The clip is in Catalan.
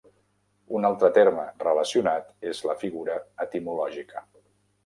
Un altre terme relacionat és la figura etimològica